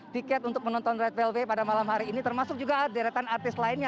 tiket untuk menonton red velway pada malam hari ini termasuk juga deretan artis lainnya